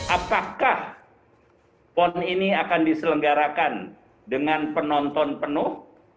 apakah pon ini akan diselenggarakan dengan penonton penuh